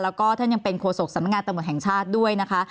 แล้วก็ท่านยังเป็นโฆษกสำนักงานตำรวจแห่งชาติด้วยนะคะ